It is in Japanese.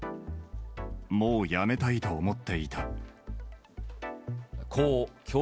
もうやめたいと思っていた。